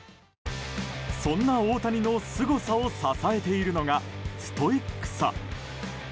そんな大谷のすごさを支えているのが、ストイックさ。